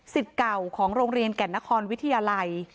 เก่าของโรงเรียนแก่นนครวิทยาลัย